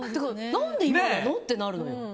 何で今なの？ってなるのよ。